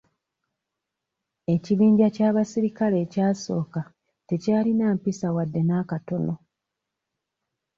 Ekibinja ky'abasirikale ekyasooka tekyalina mpisa wadde n'akatono.